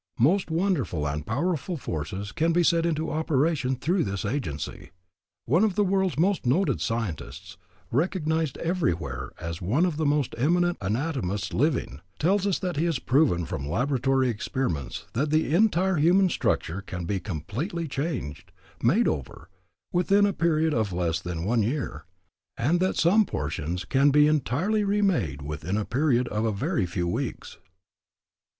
Most wonderful and powerful forces can be set into operation through this agency. One of the world's most noted scientists, recognized everywhere as one of the most eminent anatomists living, tells us that he has proven from laboratory experiments that the entire human structure can be completely changed, made over, within a period of less than one year, and that some portions can be entirely remade within a period of a very few weeks.